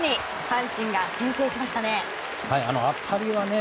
阪神が先制しましたね。